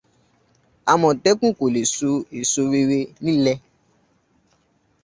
Àmọ̀tẹ́kùn kò lè so èso rere nílẹ.